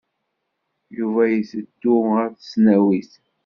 Yuba iteddu ɣer tesnawit.